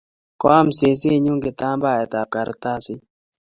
koam sesenyu kitambaet ab kartasit